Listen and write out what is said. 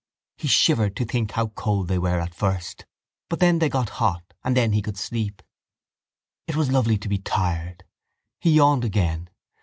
He shivered to think how cold they were first. But then they got hot and then he could sleep. It was lovely to be tired. He yawned again.